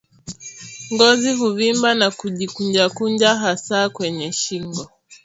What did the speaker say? Ngozi huvimba na kujikunjakunja hasa kwenye shingo